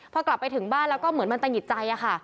พอกลับไปถึงบ้านแล้วก็เหมือนมันตะหิดใจค่ะ